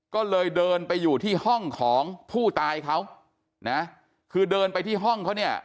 ก็เลยเดินไปอยู่ที่ห้องของผู้ตายเขานะคือเดินไปที่ห้องเขาเนี่ย